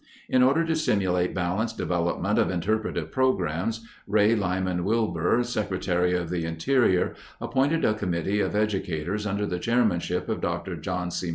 In order to stimulate balanced development of interpretive programs, Ray Lyman Wilbur, Secretary of the Interior, appointed a committee of educators under the chairmanship of Dr. John C.